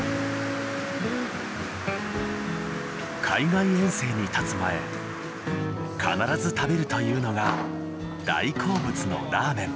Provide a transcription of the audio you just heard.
海外遠征にたつ前必ず食べるというのが大好物のラーメン。